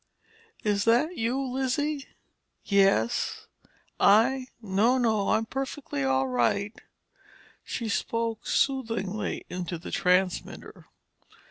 "Is that you, Lizzie? Yes. I—no, no, I'm perfectly all right—" she spoke soothingly into the transmitter.